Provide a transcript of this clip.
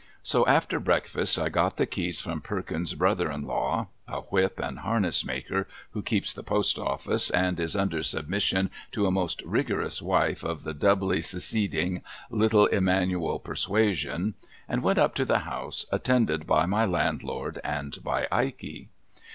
So, after breakfast, I got the keys from Perkins's brother in law (a whip and harness maker, who keeps the Post Office, and is under submission to a most rigorous wife of the Doubly Seceding Little Emmanuel persuasion), and went up to the house, attended by my landlord and by Ikey.